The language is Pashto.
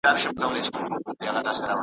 معلم وویل بزګر ته چي دا ولي .